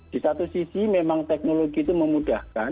di satu sisi memang teknologi itu memudahkan